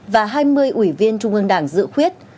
và hai mươi ủy viên trung ương đảng dự quyết